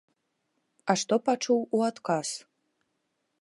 А што пачуў у адказ?